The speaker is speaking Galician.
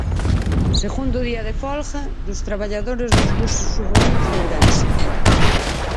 Segundo día de folga dos traballadores dos buses urbanos de Ourense.